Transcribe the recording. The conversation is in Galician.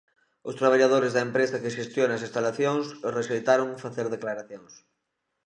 Os traballadores da empresa que xestiona as instalacións rexeitaron facer declaracións.